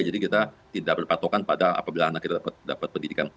jadi kita tidak berpatokan pada apabila anak kita dapat pendidikan